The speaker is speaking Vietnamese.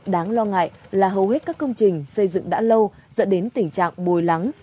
đáng lo ngại là hầu hết các công trình xây dựng đã lâu dẫn đến tình trạng bồi lắng